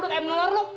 lu kayak menolong lu